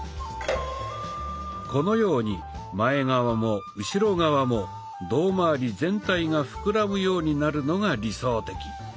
このように前側も後ろ側も胴まわり全体がふくらむようになるのが理想的。